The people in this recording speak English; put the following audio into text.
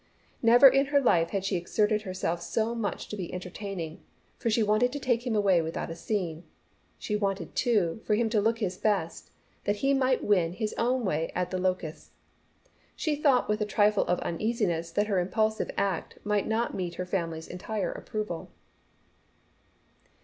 Never in her life had she exerted herself so much to be entertaining, for she wanted to take him away without a scene. She wanted, too, for him to look his best, that he might win his own way at The Locusts. She thought with a trifle of uneasiness that her impulsive act might not meet her family's entire approval.